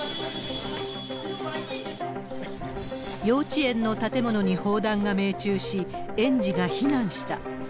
幼稚園の建物に砲弾が命中し、園児が避難した。